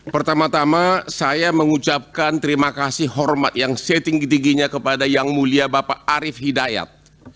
pertama tama saya mengucapkan terima kasih hormat yang setinggi tingginya kepada yang mulia bapak arief hidayat